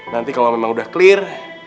nanti kalau memang sudah clear